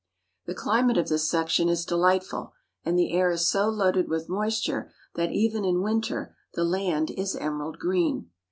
The climate of this section is delightful, and the air is so loaded with moisture that even in winter the land is emerald green.